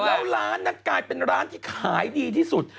แล้วร้านนั้นกลายเป็นร้านที่ขายดีที่สุด